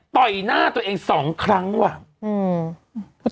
ต่อยหน้าตัวเองสองครั้งว่ะ